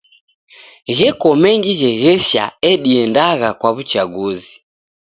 Gheko mengi gheghesha ediandagha kwa w'uchagizi.